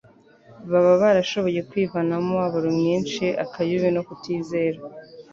baba barashoboye kwivanamo umubabaro mwinshi, akayubi no kutizera.